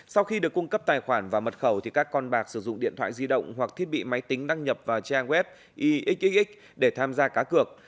sau khi được cung cấp tài khoản và mật khẩu các con bạc sử dụng điện thoại di động hoặc thiết bị máy tính đăng nhập vào trang web ixxx để tham gia cá cược